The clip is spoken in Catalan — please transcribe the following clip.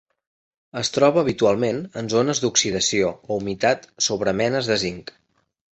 Es troba habitualment en zones d'oxidació o humitat sobre menes de zinc.